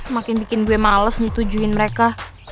makin bikin gue males ngetujuin mereka